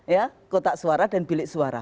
ya kotak suara dan bilik suara